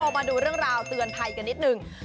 มาดูเรื่องราวเตือนภัยกันนิดนึง